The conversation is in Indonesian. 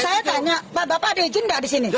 saya tanya pak bapak ada izin nggak di sini